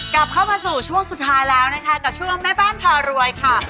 กลับเข้ามาสู่ช่วงสุดท้ายแล้วนะคะกับช่วงแม่บ้านพารวยค่ะ